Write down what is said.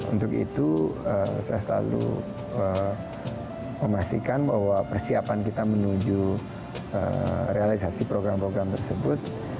untuk itu saya selalu memastikan bahwa persiapan kita menuju realisasi program program tersebut